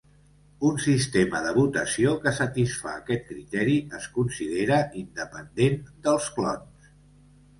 Un sistema de votació que satisfà aquest criteri es considera "independent dels clons".